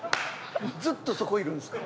ずっとそこいるんですか？